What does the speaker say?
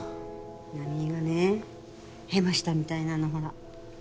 奈美江がねヘマしたみたいなのほら。